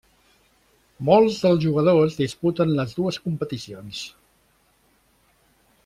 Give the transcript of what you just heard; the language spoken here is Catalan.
Molts dels jugadors disputen les dues competicions.